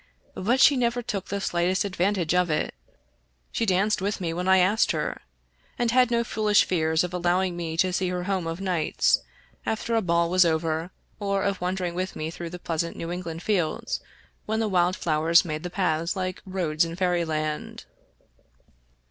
— ^but she never took the slightest advantage of it. She danced with me when I asked her, and had no foolish fears of allowing me to see her home of nights, after a ball 56 Fitzjames O'Brien was over, or of wandering with me through the pleasant New England fields when the wild flowers made the paths like roads in fairyland.